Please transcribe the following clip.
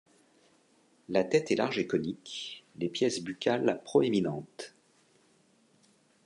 La tête est large et conique, les pièces buccales proéminentes.